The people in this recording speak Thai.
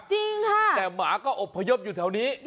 จริงค่ะแต่หมาก็อบพยพอยู่แถวนี้